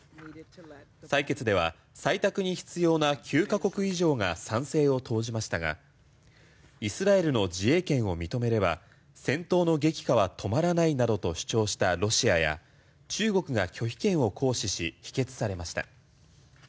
採決では採択に必要な９か国以上が賛成を投じましたがイスラエルの自衛権を認めれば戦闘の激化は止まらないなどと主張したロシアや中国が拒否権を行使し否決されました。